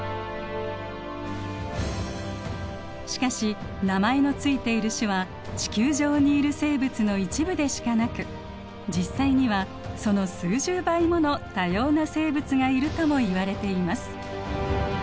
しかし名前の付いている種は地球上にいる生物の一部でしかなく実際にはその数十倍もの多様な生物がいるともいわれています。